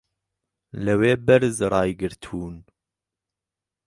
لەوێ بەرز ڕایگرتوون